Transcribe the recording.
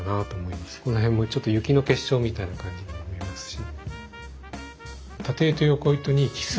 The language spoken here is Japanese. この辺もちょっと雪の結晶みたいな感じにも見えますし。